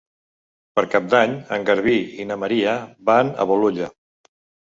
Per Cap d'Any en Garbí i na Maria van a Bolulla.